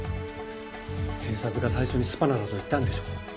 警察が最初にスパナだと言ったんでしょ？